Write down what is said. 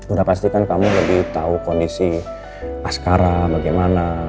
udah pasti kan kamu lebih tahu kondisi askara bagaimana